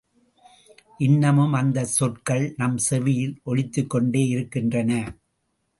இன்னும் அந்தச் சொற்கள் நம் செவியில் ஒலித்துக்கொண்டே இருக்கின்றன.